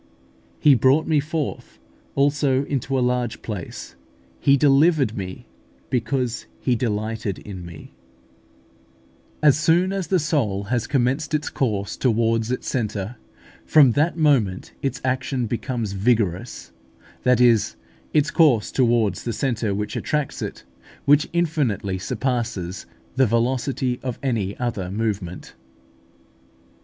"He brought me forth also into a large place; He delivered me, because He delighted in me" (Ps. xviii. 19). As soon as the soul has commenced its course towards its centre, from that moment its action becomes vigorous that is, its course towards the centre which attracts it, which infinitely surpasses the velocity of any other movement.